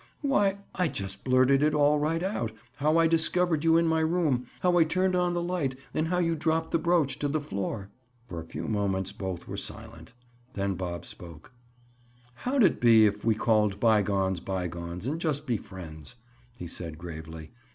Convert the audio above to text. "Why, I just blurted it all right out—how I discovered you in my room—how I turned on the light and how you dropped the brooch to the floor!" For a few moments both were silent. Then Bob spoke: "How'd it be, if we called bygones, bygones, and just be friends?" he said gravely.